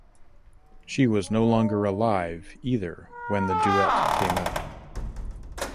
She was no longer alive either when the duet came out.